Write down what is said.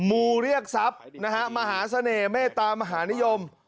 ูเรียกทรัพย์นะฮะมหาเสน่ห์เมตตามหานิยม